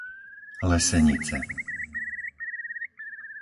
Lesenice